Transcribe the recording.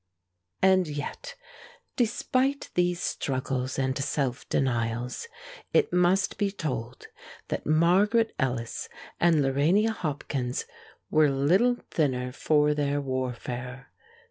And yet, despite these struggles and self denials, it must be told that Margaret Ellis and Lorania Hopkins were little thinner for their warfare.